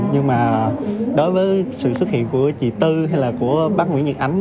nhưng mà đối với sự xuất hiện của chị tư hay là của bác nguyễn nhật ánh